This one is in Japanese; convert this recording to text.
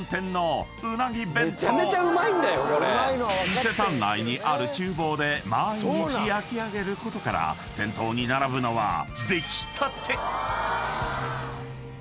［伊勢丹内にある厨房で毎日焼き上げることから店頭に並ぶのは出来たて］